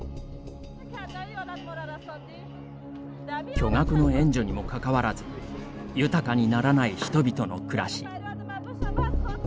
巨額の援助にもかかわらず豊かにならない人々の暮らし。